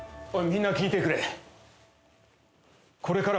おい、みんな聞いてくれ。